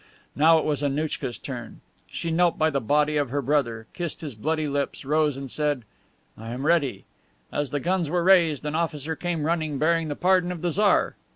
Now it was Annouchka's turn. She knelt by the body of her brother, kissed his bloody lips, rose and said, 'I am ready.' As the guns were raised, an officer came running, bearing the pardon of the Tsar.